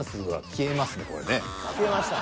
消えました。